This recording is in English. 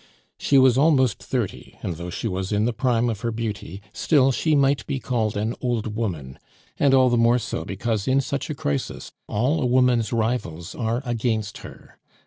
She was almost thirty; and though she was in the prime of her beauty, still she might be called an old woman, and all the more so because in such a crisis all a woman's rivals are against her.